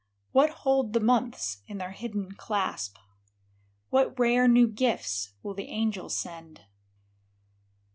"What hold the months in their hidden clasp ? What rare new gifts will the angels send?